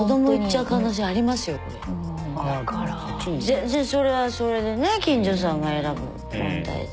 全然それはそれでね金城さんが選ぶ問題で。